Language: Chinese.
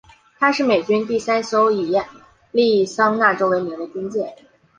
她是美军第三艘以亚利桑那州为名的军舰。